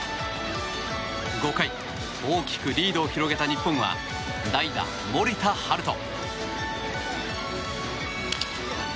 ５回大きくリードを広げた日本は代打、森田大翔。